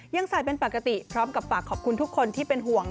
ยังใส่เป็นปกติพร้อมกับฝากขอบคุณทุกคนที่เป็นห่วง